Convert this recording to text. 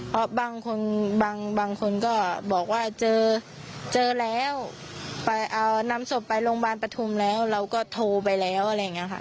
เพราะบางคนบางคนก็บอกว่าเจอเจอแล้วไปเอานำศพไปโรงพยาบาลปฐุมแล้วเราก็โทรไปแล้วอะไรอย่างนี้ค่ะ